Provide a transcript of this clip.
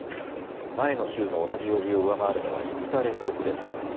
前の週の同じ曜日を上回るのは５日連続です。